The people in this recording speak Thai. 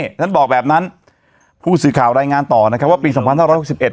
ท่านบอกแบบนั้นผู้สื่อข่าวรายงานต่อนะครับว่าปีสองพันห้าร้อยหกสิบเอ็